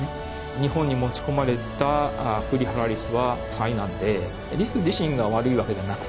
日本に持ち込まれたクリハラリスは災難でリス自身が悪いわけじゃなくて。